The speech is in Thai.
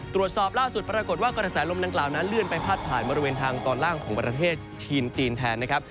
ตรวจสอบล่าสุดปรากฏว่ากระแสลมดังกล่าวนั้นเลื่อนไปพาดผ่านบริเวณทางตอนล่างของประเทศจีนแทนนะครับ